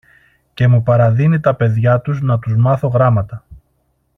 και μου παραδίνει τα παιδιά του να τους μάθω γράμματα.